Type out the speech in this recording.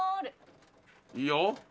いいよ。